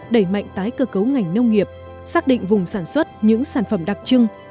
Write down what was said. đẩy mạnh tái cơ cấu ngành nông nghiệp xác định vùng sản xuất những sản phẩm đặc trưng